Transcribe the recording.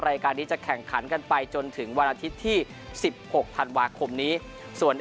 รายการนี้จะแข่งขันกันไปจนถึงวันอาทิตย์ที่๑๖ธันวาคมนี้ส่วน